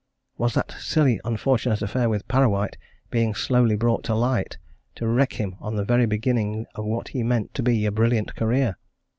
Was that silly, unfortunate affair with Parrawhite being slowly brought to light to wreck him on the very beginning of what he meant to be a brilliant career?